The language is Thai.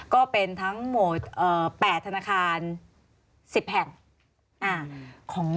ก็เป็นทั้งหมด๘ธนาคาร๑๐แห่ง